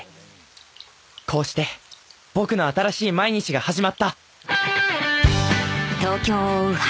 こうして僕の新しい毎日が始まった！